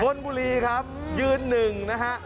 ชนบุรีครับยื่นหนึ่งนะครับ